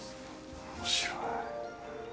面白い。